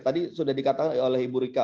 tadi sudah dikatakan oleh ibu rika